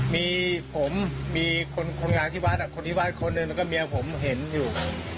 มีผมมีคนงานที่วัดคนที่วัดคนหนึ่งแล้วก็เมียผมเห็นอยู่